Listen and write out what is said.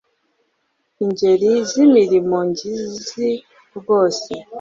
ingeri z'imirimo ngizi rwose